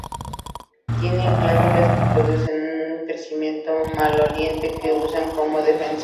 Tienen glándulas que producen una secreción maloliente que usan como defensa.